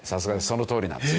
そのとおりなんです。